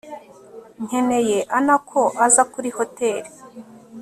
nkeneye ,ana ko aza kuri hotel